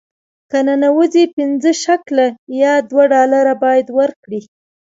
که ننوځې پنځه شکله یا دوه ډالره باید ورکړې.